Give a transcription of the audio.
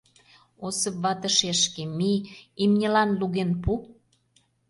Осып вате шешке, мий, имньылан луген пу!